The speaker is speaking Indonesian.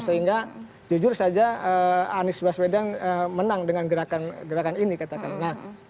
sehingga jujur saja anies baswedan menang dengan gerakan ini katakanlah